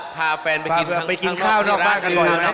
พาแฟนมากินข้างนอก